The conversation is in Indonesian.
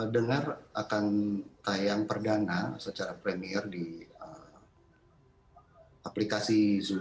dengar akan tayang perdana secara premier di aplikasi zoom